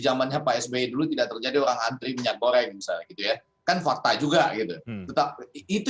zamannya psb dulu tidak terjadi orang antri minyak goreng saya gitu ya kan fakta juga itu